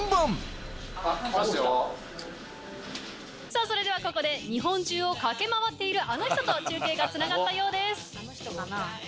・さぁそれではここで日本中を駆け回っているあの人と中継がつながったようです。